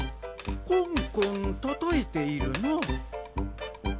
コンコンたたいているな。